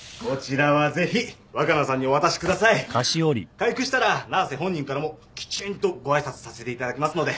回復したら七瀬本人からもきちんとご挨拶させていただきますので。